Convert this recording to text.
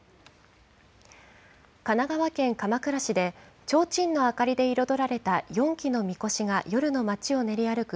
神奈川県鎌倉市で、ちょうちんの明かりで彩られた４基のみこしが夜の町を練り歩く